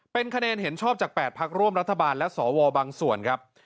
เป็นคะแนนเห็นชอบจาก๘พักร่วมรัฐบาลและสวบางส่วนครับ